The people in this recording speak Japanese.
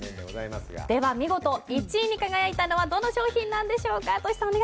見事１位に輝いたのはどの商品でしょうか。